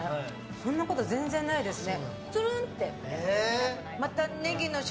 そんなこと全然ないですね。